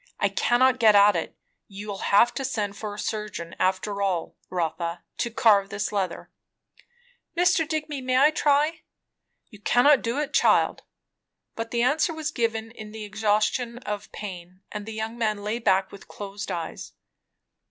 "I cannot get at it. You'll have to send for a surgeon, after all, Rotha, to carve this leather." "Mr. Digby, may I try?" "You cannot do it, child." But the answer was given in the exhaustion of pain, and the young man lay back with closed eyes.